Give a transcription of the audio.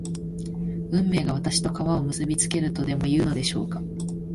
運命が私と川を結びつけるとでもいうのでしょうか